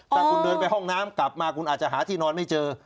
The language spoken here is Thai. ถ้าคุณเดินไปห้องน้ำกลับมาคุณอาจจะหาที่นอนไม่เจอ